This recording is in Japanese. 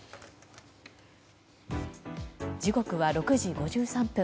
時刻は６時５３分。